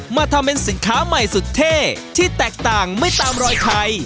มาทำเป็นสินค้าใหม่สุดเท่ที่แตกต่างไม่ตามรอยใคร